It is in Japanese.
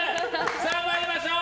さあ、参りましょう。